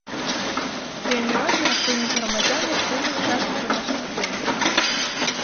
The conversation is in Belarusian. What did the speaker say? Вельмі важная актыўнасць грамадзян і актыўнасць часам прыносіць плён.